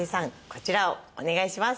こちらをお願いします。